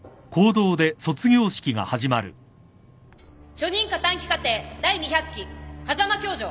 初任科短期課程第２００期風間教場。